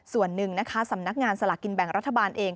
ส่วนหนึ่งนะคะสำนักงานสลากกินแบ่งรัฐบาลเอง